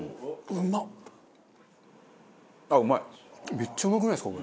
めっちゃうまくないですかこれ。